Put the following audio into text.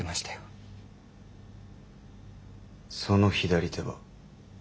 その左手は？